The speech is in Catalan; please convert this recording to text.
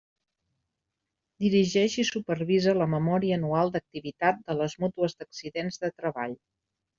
Dirigeix i supervisa la memòria anual d'activitat de les mútues d'accidents de treball.